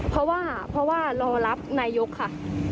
เพราะว่าเพราะว่ารอรับนายกค่ะ